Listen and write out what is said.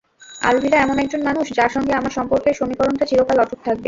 আলভিরা এমন একজন মানুষ, যাঁর সঙ্গে আমার সম্পর্কের সমীকরণটা চিরকাল অটুট থাকবে।